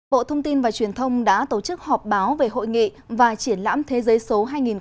bộ thông tin và truyền thông đã tổ chức họp báo về hội nghị và triển lãm thế giới số hai nghìn hai mươi